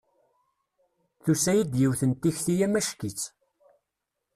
Tusa-iyi-d yiwet n tikti amacki-tt.